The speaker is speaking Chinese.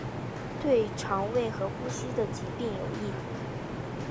对于胃肠和呼吸的疾病有益。